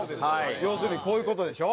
要するにこういう事でしょ？